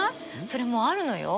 それもうあるのよ